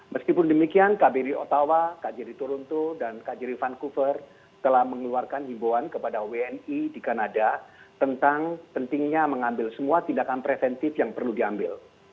meskipun demikian kbri ottawa kjri toronto dan kjri vancouver telah mengeluarkan himbauan kepada wni di kanada tentang pentingnya mengambil semua tindakan preventif yang perlu diambil